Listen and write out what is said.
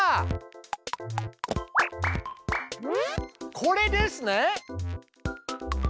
これですね！